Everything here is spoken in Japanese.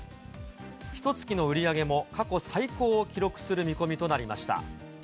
ひとつきの売り上げも過去最高を記録する見込みとなりました。